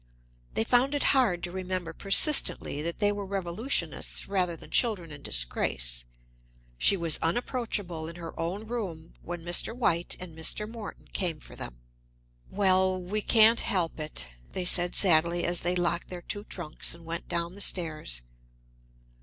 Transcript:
They found it hard to remember persistently that they were revolutionists rather than children in disgrace. She was unapproachable in her own room when Mr. White and Mr. Morton came for them. "Well, we can't help it," they said sadly as they locked their two trunks and went down the stairs.